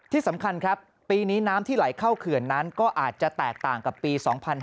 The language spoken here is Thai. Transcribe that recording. ที่สำคัญครับปีนี้น้ำที่ไหลเข้าเขื่อนนั้นก็อาจจะแตกต่างกับปี๒๕๕๙